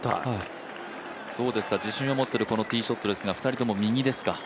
どうですか、自信を持っているこのティーショットですが２人とも右ですか？